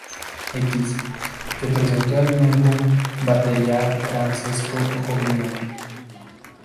X", que presentó al nuevo batería Francesco Jovino.